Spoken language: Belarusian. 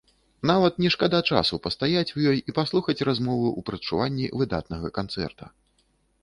Нават не шкада часу пастаяць у ёй і паслухаць размовы ў прадчуванні выдатнага канцэрта.